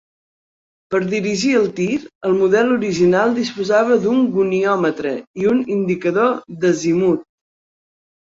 Per dirigir el tir, el model original disposava d'un goniòmetre i un indicador d'azimut.